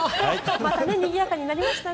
またにぎやかになりましたね。